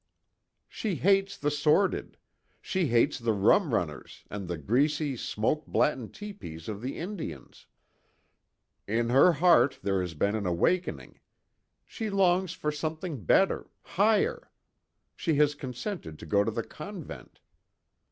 "She hates the sordid. She hates the rum runners, and the greasy smoke blackened tepees of the Indians. In her heart there has been an awakening. She longs for something better higher. She has consented to go to the convent."